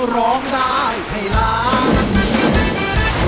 ร้องได้ให้ร้อง